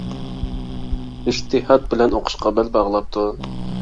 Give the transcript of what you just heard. ئىجتىھات بىلەن ئوقۇشقا بەل باغلاپتۇ.